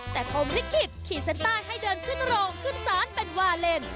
แต่พรมลิขิตขีดเส้นใต้ให้เดินขึ้นโรงขึ้นศาลเป็นวาเลน